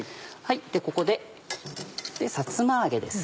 ここでさつま揚げです。